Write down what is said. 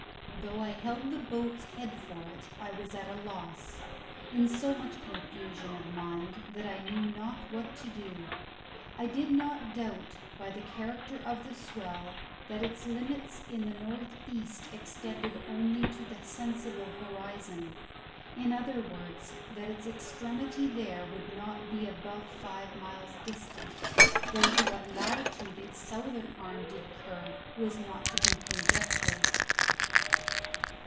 Though I held the boat's head for it I was at a loss in so much confusion of mind that I knew not what to do. I did not doubt by the character of the swell that its limits in the north east extended only to the sensible horizon; in other words, that its extremity there would not be above five miles distant, though to what latitude its southern arm did curve was not to be conjectured.